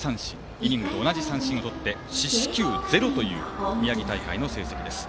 イニングと同じ三振をとって四死球０という宮城大会の成績です。